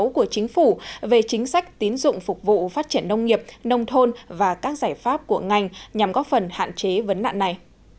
chính của chính phủ về chính sách tín dụng phục vụ phát triển nông nghiệp nông thôn và các giải pháp của ngành nhằm góp phần hạn chế vấn nạn này